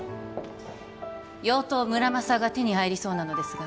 妖刀・村正が手に入りそうなのですが